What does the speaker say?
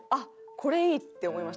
これいい！って思いました。